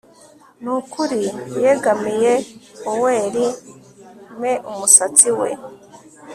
Nukuri yegamiye oer me umusatsi we